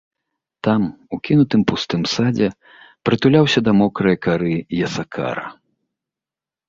Там, у кінутым, пустым садзе, прытуляўся да мокрае кары ясакара.